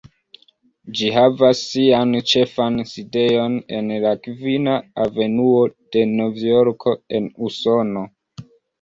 Ĝi havas sian ĉefan sidejon en la Kvina Avenuo de Novjorko en Usono.